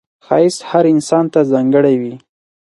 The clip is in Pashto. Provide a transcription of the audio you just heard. ښایست هر انسان ته ځانګړی وي